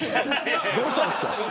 どうしたんですか。